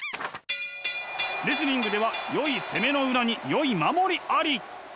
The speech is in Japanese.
レスリングではよい攻めの裏によい守りあり！